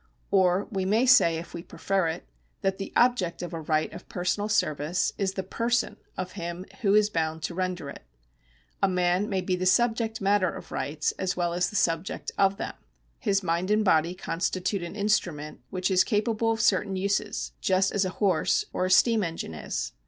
Or we may say, if we prefer it, that the object of a right of personal service is the person of him who is bound to render it. A man may be the subject matter of rights as well as the subject of them. His mind and body constitute an instrument which is capable of certain uses, just as a horse or a steam engine is.